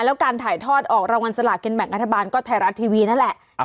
แล้วการถ่ายทอดออกรางวัลสลากินแบ่งรัฐบาลก็ไทยรัฐทีวีนั่นแหละ